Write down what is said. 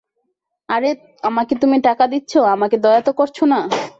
আরে, আমাকে তুমি টাকা দিচ্ছো আমাকে দয়া তো করছ না!